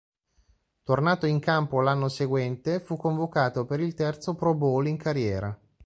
Tornato in campo l'anno seguente, fu convocato per il terzo Pro Bowl in carriera.